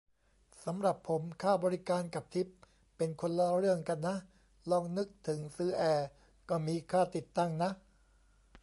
สำหรับผม ค่าบริการ กับ ทิป เป็นคนละเรื่องกันนะ ลองนึกถึงซื้อแอร์ ก็มีค่าติดตั้งนะ